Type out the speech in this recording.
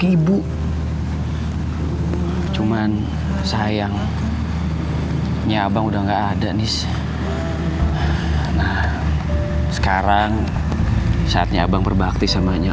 ibu cuman sayangnya abang udah nggak ada nih nah sekarang saatnya abang berbakti semuanya